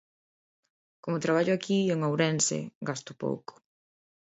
Como traballo aquí en Ourense, gasto pouco.